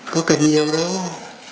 có cần nhiều đâu